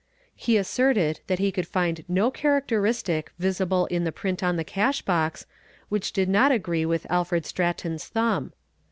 He asserted that he could find no _ characteristic visible in the print on the cash box which did not agree with Alfred Stratton's thumb.